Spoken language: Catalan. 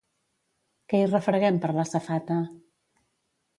Què hi refreguem per la safata?